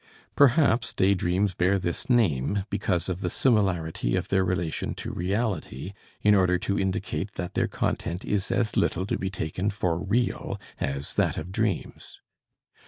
Perhaps day dreams bear this name because of the similarity of their relation to reality, in order to indicate that their content is as little to be taken for real as that of dreams.